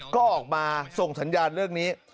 ก็ออกมาส่งสัญญาณเรื่องนี้